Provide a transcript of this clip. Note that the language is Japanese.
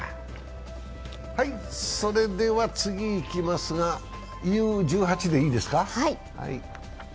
それでは次にいきますが、Ｕ−１８でいいですか。